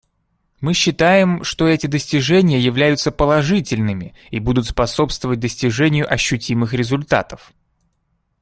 Мы считаем, что эти достижения являются положительными и будут способствовать достижению ощутимых результатов.